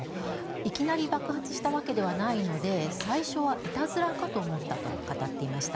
いきなり爆発したわけではないので最初はいたずらかと思ったと語っていました。